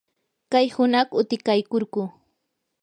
kay hunaq utikaykurquu.